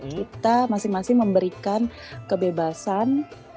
kita masing masing memberikan kebebasan